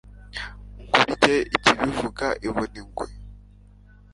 nkurye Ikibivuga ibona ingwe